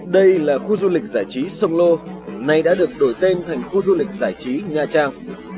đây là khu du lịch giải trí sông lô nay đã được đổi tên thành khu du lịch giải trí nha trang